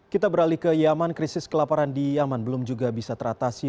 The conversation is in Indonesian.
kita beralih ke yaman krisis kelaparan di yaman belum juga bisa teratasi